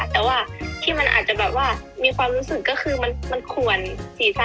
แต่มันใช่แค่มันมือเลย